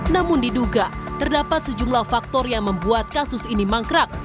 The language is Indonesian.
namun diduga terdapat sejumlah faktor yang membuat kasus ini mangkrak